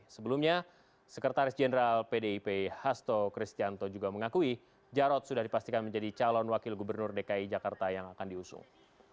sebelumnya sekretaris jenderal pdip hasto kristianto juga mengakui jarod sudah dipastikan menjadi calon wakil gubernur dki jakarta yang akan diusung